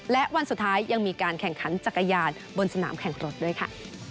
และวันสุดท้ายยังมีการแข่งขันจักรยานบนสนามแข่งรถด้วยค่ะ